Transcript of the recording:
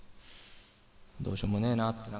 どうしようもねえなって